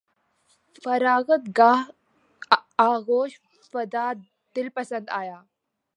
فراغت گاہ آغوش وداع دل پسند آیا